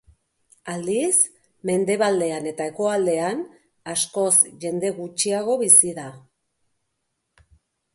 Aldiz, mendebaldean eta hegoaldean, askoz jende gutxiago bizi da.